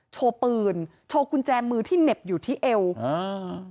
โชว์ปืนโชว์กุญแจมือที่เหน็บอยู่ที่เอวอ่า